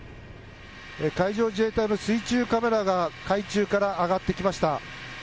海上自衛隊の水中カメラが海中から上がってきました。